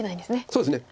そうですね。